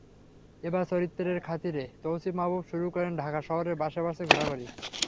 এবার চরিত্রের খাতিরে তৌসিফ মাহবুব শুরু করলেন ঢাকা শহরের বাসে বাসে ঘোরাঘুরি।